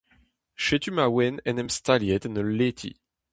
Setu ma oan en em staliet en ul leti.